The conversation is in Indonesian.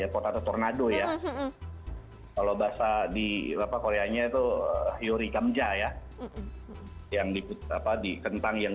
potato tornado ya kalau bahasa di apa koreanya itu yori kamja ya yang di apa di kentang yang